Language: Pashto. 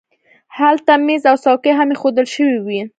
هلته مېز او څوکۍ هم اېښودل شوي وو